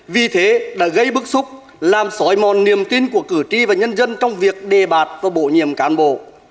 vì thế đã gây bức xúc làm sói mòn niềm tin của cử tri và nhân dân trong việc đề bạt và bổ nhiệm cán bộ